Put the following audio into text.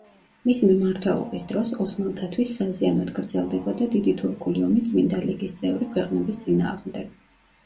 მისი მმართველობის დროს ოსმალთათვის საზიანოდ გრძელდებოდა დიდი თურქული ომი წმინდა ლიგის წევრი ქვეყნების წინააღმდეგ.